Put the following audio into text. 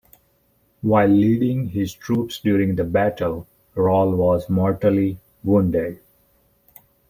While leading his troops during the battle, Rall was mortally wounded.